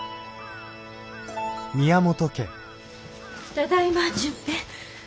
ただいま純平。